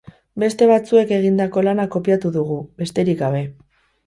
Beste batzuek egindako lana kopiatu dugu, besterik gabe.